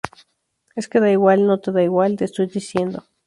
es que da igual. no da igual. te estoy diciendo